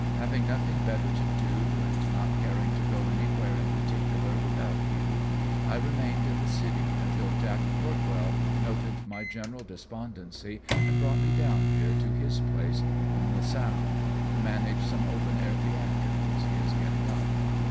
Having nothing better to do, and not caring to go anywhere in particular without you, I remained in the city until Jack Courtwell noted my general despondency and brought me down here to his place on the sound to manage some open air theatricals he is getting up.